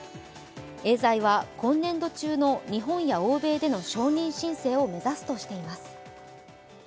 エーザイは今年度中の日本や欧米での承認申請を目指すとしています。